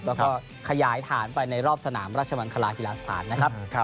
แล้วก็ขยายฐานไปในรอบสนามราชมังคลากีฬาสถานนะครับ